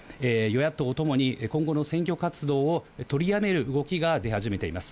与野党ともに今後の選挙活動を取りやめる動きが出始めています。